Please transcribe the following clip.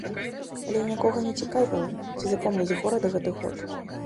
Але нікога не цікавіла, ці запомніць горад гэты год.